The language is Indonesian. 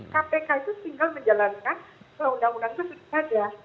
kpk itu tinggal menjalankan undang undang itu sudah ada